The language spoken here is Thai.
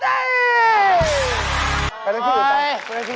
กำลังขี้อีกต่อ